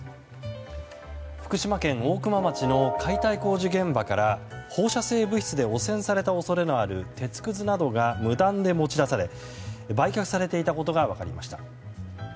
福島県大熊町の解体工事現場から放射性物質で汚染された恐れのある鉄くずなどが無断で持ち出され売却されていたことが分かりました。